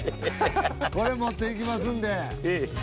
これ持っていきますんで。